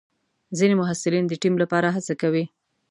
ځینې محصلین د ټیم لپاره هڅه کوي.